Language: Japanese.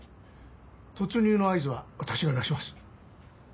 突入の合図は私が出します。